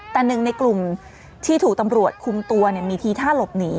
แต่หนึ่งในกลุ่มที่ถูกตำรวจคุมตัวมีทีท่าหลบหนี